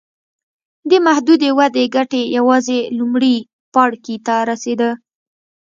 دې محدودې ودې ګټه یوازې لومړي پاړکي ته رسېده.